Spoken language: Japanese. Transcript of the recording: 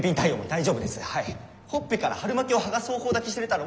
ほっぺから春巻きを剥がす方法だけ知れたら。